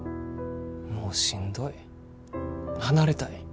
もうしんどい離れたい。